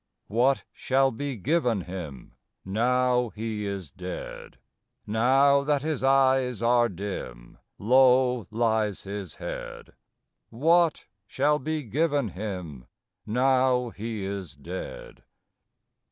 What shall be given him, Now he is dead? Now that his eyes are dim, Low lies his head? What shall be given him, Now he is dead?